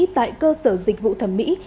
tại cơ sở dịch vụ thẩm mỹ